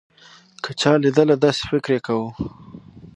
که چا لېدله داسې فکر يې کوو.